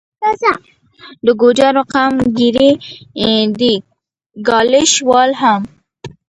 د ګوجرو قوم ګیري دي، ګالیش وال هم